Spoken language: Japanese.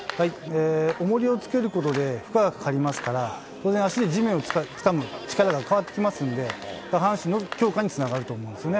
おもりをつけることで負荷がかかりますから、当然、足で地面をつかむ力が変わってきますんで、下半身の強化につながると思うんですね。